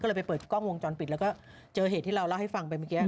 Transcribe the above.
ก็เลยไปเปิดกล้องวงจรปิดแล้วก็เจอเหตุที่เราเล่าให้ฟังไปเมื่อกี้